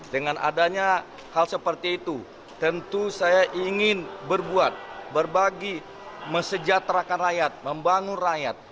dengan adanya hal seperti itu tentu saya ingin berbuat berbagi mesejahterakan rakyat membangun rakyat